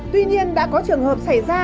tuy nhiên đã có trường hợp xảy ra